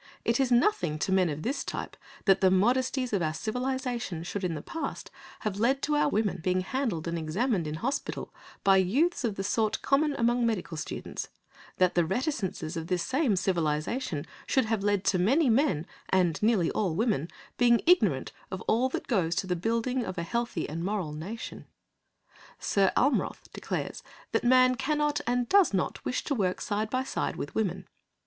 It is nothing to men of this type that the modesties of our civilisation should in the past have led to our women being handled and examined in hospital by youths of the sort common among medical students; that the reticences of this same civilisation should have led to many men and nearly all women being ignorant of all that goes to the building of a healthy and moral nation. Sir Almroth declares that man "cannot and does not wish to work side by side with women."